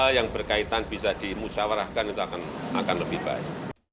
yang berkaitan bisa dimusyawarahkan itu akan lebih baik